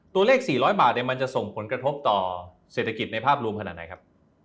๔๐๐บาทมันจะส่งผลกระทบต่อเศรษฐกิจในภาพรวมขนาดไหนครับ